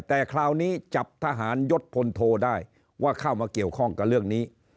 แต่คราวนี้จับทหารยศพลโทได้ว่าเข้ามาเกี่ยวข้องกับเรื่องนี้